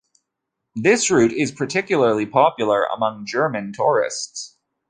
This route is particularly popular among German tourists.